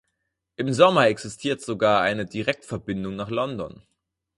Im Sommer existiert sogar eine Direktverbindung nach London.